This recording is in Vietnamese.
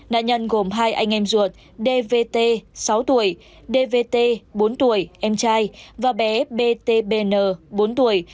nạn nhân gồm hai anh em ruột dvt sáu tuổi dvt bốn tuổi em trai và bé btbn bốn tuổi